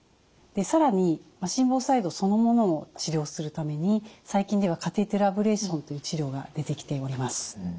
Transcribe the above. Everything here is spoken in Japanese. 更に心房細動そのものを治療するために最近ではカテーテルアブレーションという治療が出てきております。